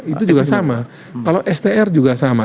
itu juga sama kalau str juga sama